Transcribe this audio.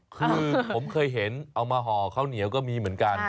คือผมเคยเห็นเอามาห่อข้าวเหนียวก็มีเหมือนกัน